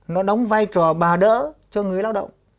nó đóng vai trò bà đỡ cho người lao động